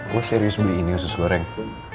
gue serius beli ini khusus goreng